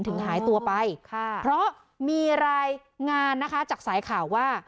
หายตัวไปค่ะเพราะมีรายงานนะคะจากสายข่าวว่า